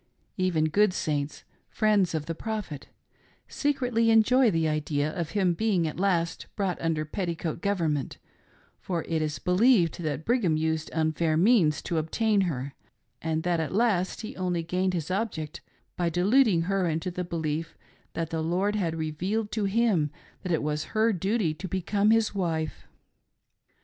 Even good Saints — ^friends of the Prophet — secretly enjoy the idea of him being at last brought under petticoat government, for it is believed that Brigham used unfair means to obtain her, and that at last he only gained his object by deluding her into the belief that the Lord had revealed to him that it was her duty to become his wife.